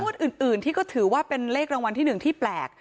อื่นที่ก็ถือว่าเป็นเลขรางวัลที่๑ที่แปลก